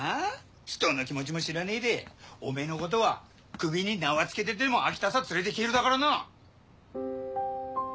人の気持ちも知らねえでおめえのことは首に縄つけてでも秋田さ連れてけえるだからな！